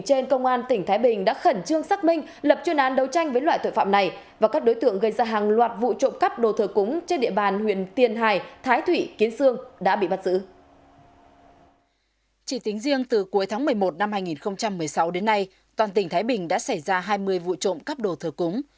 trong sáng một mươi một năm hai nghìn một mươi sáu đến nay toàn tỉnh thái bình đã xảy ra hai mươi vụ trộm các đồ thờ cúng